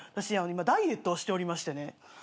今ダイエットをしておりましてね